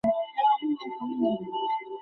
কিছু জিনিস আনতে যাচ্ছি।